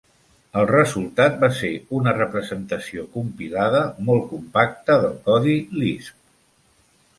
El resultat va ser una representació compilada molt compacta del codi Lisp.